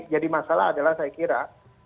jadi masalah adalah saya kira